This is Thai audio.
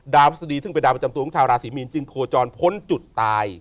พฤษฎีซึ่งเป็นดาวประจำตัวของชาวราศีมีนจึงโคจรพ้นจุดตาย